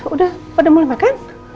udah pada mulai makan